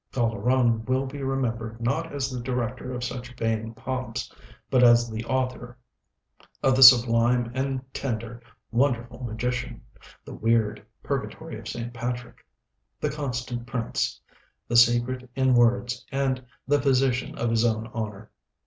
Calderon will be remembered not as the director of such vain pomps, but as the author of the sublime and tender 'Wonderful Magician,' the weird 'Purgatory of St. Patrick,' 'The Constant Prince,' 'The Secret in Words,' and 'The Physician of His Own Honor.'